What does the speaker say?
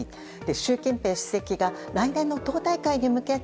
習近平主席が来年の党大会に向けて